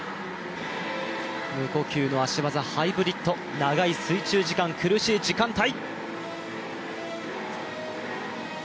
無呼吸の足技、ハイブリッド長い水中時間苦しい時間帯。